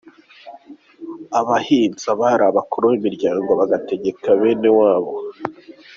Abahinza bari abakuru b’imiryango bagategeka bene wabo.